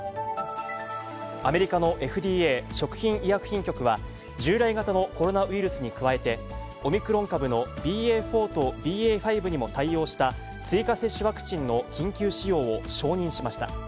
アメリカのＦＤＡ・食品医薬品局は従来型のコロナウイルスに加えて、オミクロン株のＢＡ．４とＢＡ．５にも対応した、追加接種ワクチンの緊急使用を承認しました。